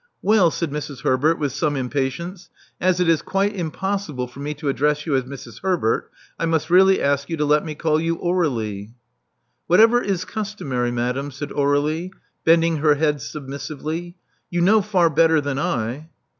'* Well, said Mrs. Herbert, with some impatience, as it is quite^ impossible for me to address you as Mrs. Herbert, I must really ask you to let me call you Aur^lie." Whatever is customary, madame," said Aurdlie, bending her head submissively. You know far better than 1."